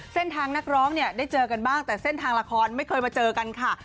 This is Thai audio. เส้นทางนักร้องเนี่ยได้เจอกันบ้างแต่เส้นทางละครไม่เคยมาเจอกันค่ะ